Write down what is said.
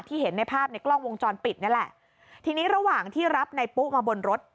เห็นในภาพในกล้องวงจรปิดนี่แหละทีนี้ระหว่างที่รับในปุ๊มาบนรถ